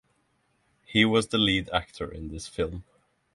He was the lead actor in this film.